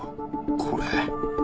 これ。